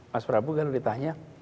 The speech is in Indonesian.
mas prabu kan ditanya